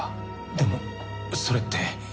でもそれって。